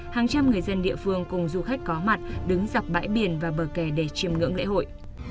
hàng trăm người dân địa phương cùng du khách có mặt đứng dọc bãi biển và bờ kè để chiêm ngưỡng lễ hội